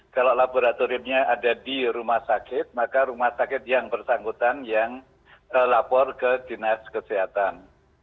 kalau laboratoriumnya ada di rumah sakit maka rumah sakit yang bersangkutan yang lapor ke dinas kesehatan